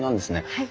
はい。